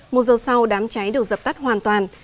một giờ sau đám cháy được dập tắt hoàn toàn